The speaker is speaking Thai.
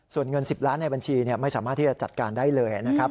ส่วนเงิน๑๐ล้านในบัญชีไม่สามารถที่จะจัดการได้เลยนะครับ